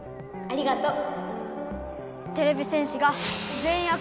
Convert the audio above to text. ありがとう。